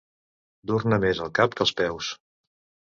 Dur-ne més al cap que als peus.